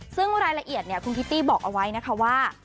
ซึ่งรายละเอียดคุณคิตตี้บอกเอาไว้นะคะว่า